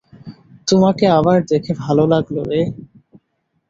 তোমাকে আবার দেখে ভালো রাগলো, রে।